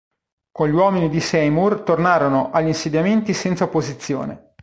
Con gli uomini di Seymour tornarono agli insediamenti senza opposizione.